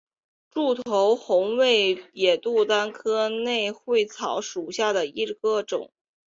楮头红为野牡丹科肉穗草属下的一个种。